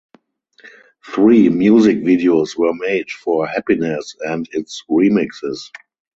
Three music videos were made for "Happiness" and its remixes.